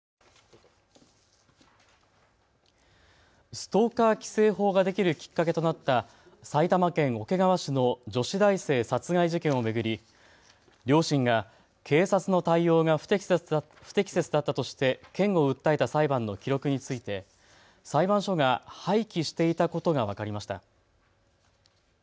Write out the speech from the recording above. ストーカー規制法ができるきっかけとなった埼玉県桶川市の女子大生殺害事件を巡り両親が警察の対応が不適切だったとして県を訴えた裁判の記録について、裁判所が廃棄していたことが分かりました。